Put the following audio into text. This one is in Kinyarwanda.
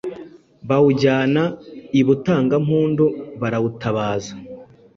bawujyana i Butangampundu, barawutabaza